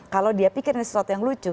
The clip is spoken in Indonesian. kalau dia pikir ini sesuatu yang lucu